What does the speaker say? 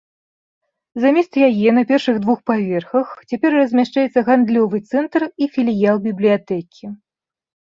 Замест яе на першых двух паверхах цяпер размяшчаецца гандлёвы цэнтр і філіял бібліятэкі.